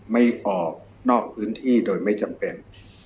ไม่ออกนอกพื้นที่โดยไม่จำเป็น